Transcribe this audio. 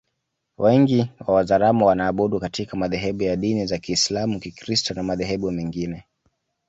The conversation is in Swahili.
Wengi wa Wazaramo wanaabudu katika madhehebu ya dini za Kiisalamu Kikristo na madhehebu mengine